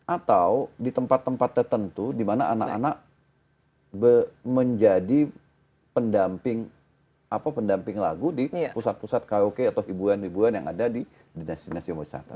atau di tempat tempat tertentu di mana anak anak menjadi pendamping lagu di pusat pusat karaoke atau hiburan hiburan yang ada di dinasti dinasti